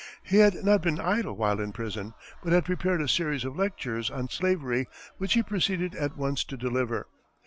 He had not been idle while in prison, but had prepared a series of lectures on slavery, which he proceeded at once to deliver.